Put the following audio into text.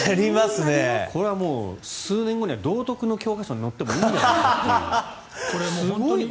これはもう数年後には道徳の教科書に載ってもいいんじゃないかというくらい。